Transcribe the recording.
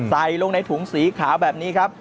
ใส่ลงในถุงสีขาวแบบนี้ครับ